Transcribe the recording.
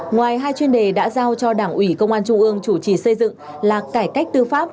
ngoài hai chuyên đề đã giao cho đảng ủy công an trung ương chủ trì xây dựng là cải cách tư pháp